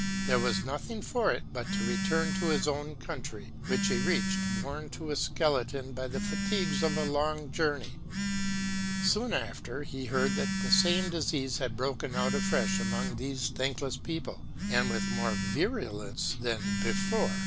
There was nothing for it but to return to his own country, which he reached worn to a skeleton by the fatigues of a long journey. Soon after he 48 MONTESQUIEU'S heard that the same disease had broken out afresh among these thankless people, and with more virulence than be fore.